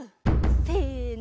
せの。